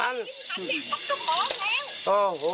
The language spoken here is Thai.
โอ้โหมันเกี่ยว